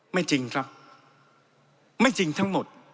ไม่จริงครับไม่จริงทั้งหมด